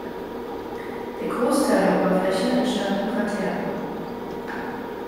Der Großteil der Oberfläche entstand im Quartär.